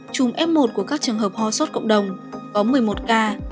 trùng f một của các trường hợp ho sốt cộng đồng có một mươi một ca